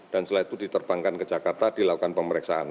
dan setelah itu diterbangkan ke jakarta dilakukan pemeriksaan